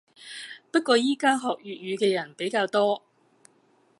不過依家學粵語嘅人比較多